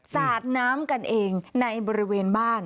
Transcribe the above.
สาดน้ำกันเองในบริเวณบ้าน